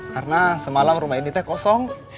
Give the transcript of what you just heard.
karena semalam rumah ini tuh kosong